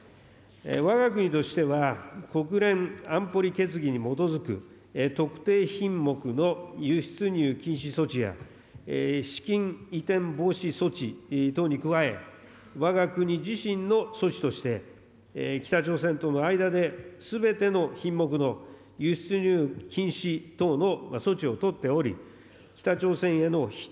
わが国としては、国連安保理決議に基づく特定品目の輸出入禁止措置や、資金移転防止措置等に加え、わが国自身の措置として、北朝鮮との間ですべての品目の輸出入禁止等の措置を取っており、北朝鮮への人、